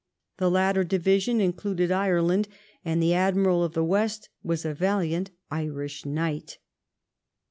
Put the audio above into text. The latter division included Ireland, and the Admiral of the West was a valiant Irish knight.